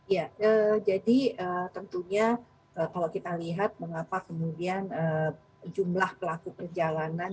ya jadi tentunya kalau kita lihat mengapa kemudian jumlah pelaku perjalanan